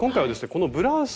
このブラウス